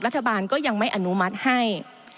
รัฐบาลก็ยังไม่อนุมัติให้